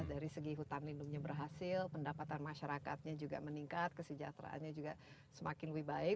dari segi hutan lindungnya berhasil pendapatan masyarakatnya juga meningkat kesejahteraannya juga semakin lebih baik